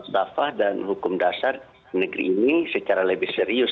bafah dan hukum dasar negeri ini secara lebih serius